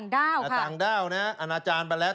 โดนต่างด้าวผู้จัดการไปแล้ว